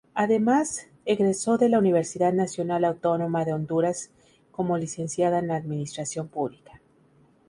Además egresó de la Universidad Nacional Autónoma de Honduras como Licenciada en Administración Pública.